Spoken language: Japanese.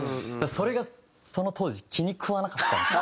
それがその当時気に食わなかったんです。